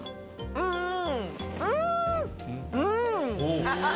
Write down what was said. うん。